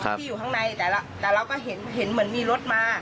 แต่เราก็เห็นเหมือนมีรถมา